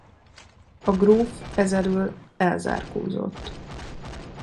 A gróf ez elől elzárkózott.